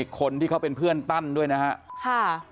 คนที่เขาเป็นเพื่อนตั้นด้วยนะครับ